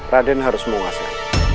raden harus menguasai